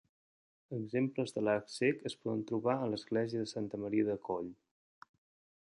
Exemples de l'arc cec es poden trobar a l'església de Santa Maria de Cóll.